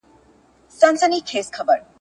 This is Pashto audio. که وخت وي، کتابتون ته کتاب وړم؟!